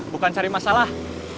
bukan cari masalah